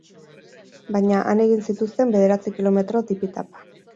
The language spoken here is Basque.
Baina, han egin zituzten, bederatzi kilometro, tipi-tapa.